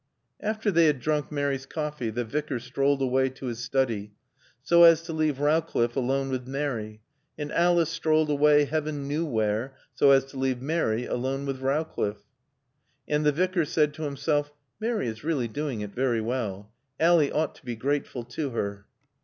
After they had drunk Mary's coffee the Vicar strolled away to his study so as to leave Rowcliffe alone with Mary, and Alice strolled away heaven knew where so as to leave Mary alone with Rowcliffe. And the Vicar said to himself, "Mary is really doing it very well. Ally ought to be grateful to her."